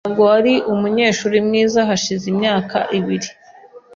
Ntabwo wari umunyeshuri mwiza hashize imyaka ibiri.